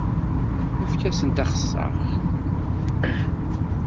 Efk-asent axeṣṣar!